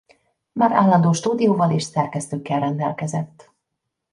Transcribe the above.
Már állandó stúdióval és szerkesztőkkel rendelkezett.